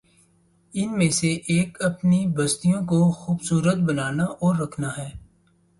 ان میں سے ایک اپنی بستیوں کو خوب صورت بنانا اور رکھنا ہے۔